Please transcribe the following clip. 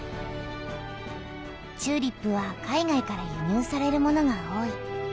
チューリップは海外からゆにゅうされるものが多い。